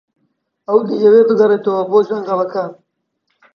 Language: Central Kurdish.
ئەو دەیەوێت بگەڕێتەوە بۆ جەنگەڵەکە.